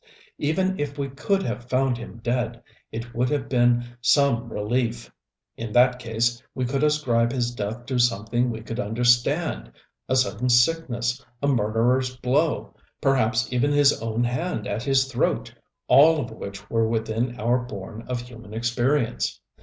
Even if we could have found him dead it would have been some relief. In that case we could ascribe his death to something we could understand a sudden sickness, a murderer's blow, perhaps even his own hand at his throat, all of which were within our bourne of human experience.